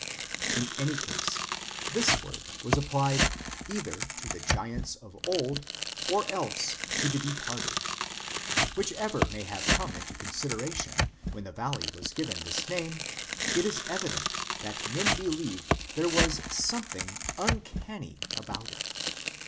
In any case this word was applied either to the giants of old or else to the departed ; whichever may have come into consideration when the valley was given this name, it is evident that men believed there was something "uncanny" about it.